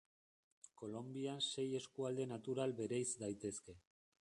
Kolonbian sei eskualde natural bereiz daitezke.